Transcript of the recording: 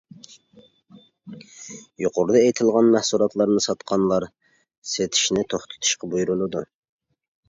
يۇقىرىدا ئېيتىلغان مەھسۇلاتلارنى ساتقانلار سېتىشنى توختىتىشقا بۇيرۇلىدۇ.